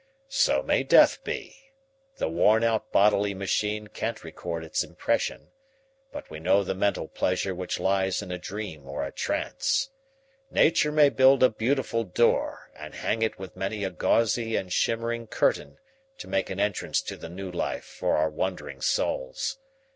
"So may death be. The worn out bodily machine can't record its impression, but we know the mental pleasure which lies in a dream or a trance. Nature may build a beautiful door and hang it with many a gauzy and shimmering curtain to make an entrance to the new life for our wondering souls.